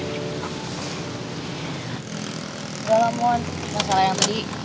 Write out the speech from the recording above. gak lama masalah yang tadi